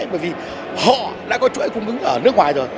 bởi vì họ đã có chuỗi cung ứng ở nước ngoài rồi